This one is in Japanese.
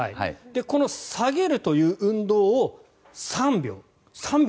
この下げるという運動を３秒。